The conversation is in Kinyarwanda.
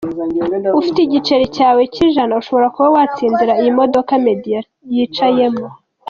Ufite igiceri cyawe cy'ijana ushobora kuba watsindira iyi modoka Meddy yicayemo.